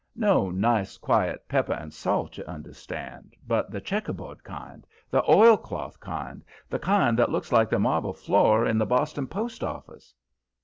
No nice quiet pepper and salt, you understand, but the checkerboard kind, the oilcloth kind, the kind that looks like the marble floor in the Boston post office.